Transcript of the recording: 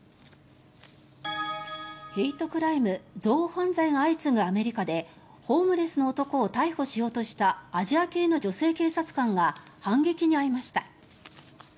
ヘイトクライム、憎悪犯罪が相次ぐアメリカでホームレスの男を逮捕しようとしたアジア系の女性警察官が反撃に遭いました。